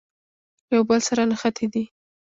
یو بل سره نښتي دي.